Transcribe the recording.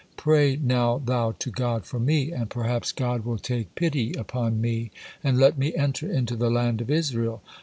Pray now thou to God for me, and perhaps God will take pity upon me, and let me enter into the land of Israel."